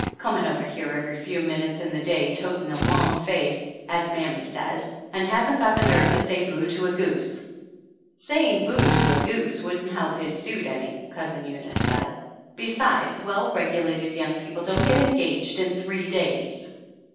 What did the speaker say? "Coming over here every few minutes in the day, 'totin' a long face,' as mammy says, and hasn't got the nerve to say boo to a goose !" "Saying boo to a goose wouldn't help his suit any," Cousin Eunice said; "besides, well regu lated young people don't get engaged in three days